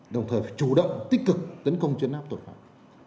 đồng thời phải chủ động tích cực tấn công chấn áp tội phạm